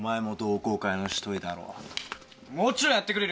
もちろんやってくれるよ。